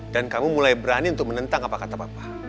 dan kamu mulai berani untuk menentang apa kata papa